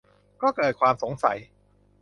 ก็เกิดความสงสัย